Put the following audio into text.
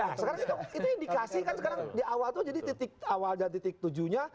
nah sekarang itu indikasi kan sekarang di awal itu jadi titik awal dan titik tujuh nya